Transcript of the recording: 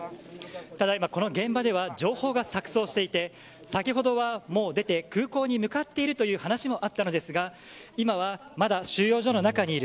ただ今、この現場では情報が錯綜していて先ほどは、もう出て空港に向かっているという話もあったのですが今は、まだ収容所の中にいる。